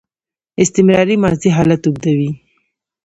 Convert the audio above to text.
استمراري ماضي حالت اوږدوي.